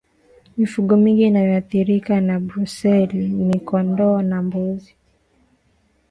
Mifugo mingine inayoathirika na Brusela ni kondoo na mbuzi